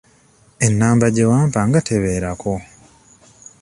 Enamba gye wampa nga tebeerako?